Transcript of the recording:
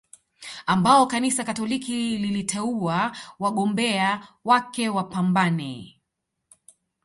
ambao Kanisa Katoliki liliteua wagombea wake wapambane